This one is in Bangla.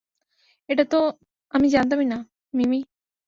এটাতো আমি জানতাম-ই না মিমি!